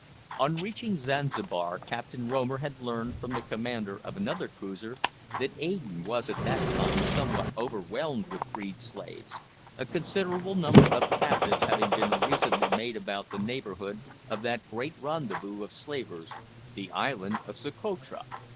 On reaching Zanzibar Captain Romer had learned from the commander of another cruiser that Aden was at that time somewhat overwhelmed with freed slaves, a considerable number of captures having been recently made about the neighbourhood of that great rendezvous of slavers, the island of Socotra.